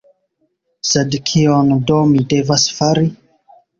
Sed kion do mi devas fari?